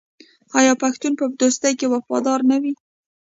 آیا پښتون په دوستۍ کې وفادار نه وي؟